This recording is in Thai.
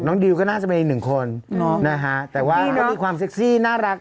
น้องดิวก็น่าจะเป็นหนึ่งคนแต่ว่าความสเซ็กซี่น่ารัก